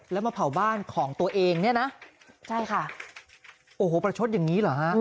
แล้วมาเผาบ้านของตัวเองเนี่ยนะใช่ค่ะโอ้โหประชดอย่างนี้เหรอฮะ